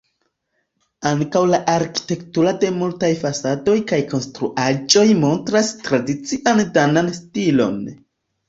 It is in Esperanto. Ankaŭ la arkitekturo de multaj fasadoj kaj konstruaĵoj montras tradician danan stilon.